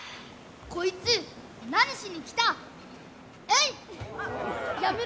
こいつ、何しにきた、えい！